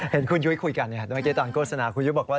เห็นคุณยุ้ยคุยกันเมื่อกี้ตอนโฆษณาคุณยุ้ยบอกว่า